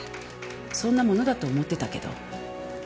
そんなものだと思ってたけど。